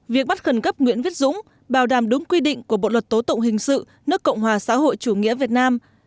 việc bắt khẩn cấp nguyễn viết dũng bảo đảm đúng quy định của bộ luật tố tụng hình sự nước cộng hòa xã hội chủ nghĩa việt nam